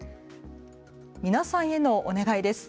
皆さんへのお願いです。